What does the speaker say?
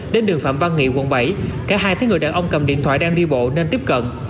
đến đường phạm văn nghị quận bảy cả hai thấy người đàn ông cầm điện thoại đang đi bộ nên tiếp cận